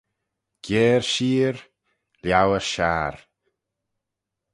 Giare sheear, liauyr shiar